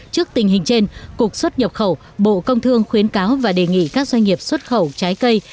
trước tình hình trên cục xuất nhập khẩu bộ công thương khuyến cáo và đề nghị các doanh nghiệp xuất khẩu trái cây